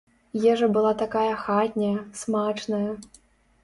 Ежа была такая хатняя, смачная.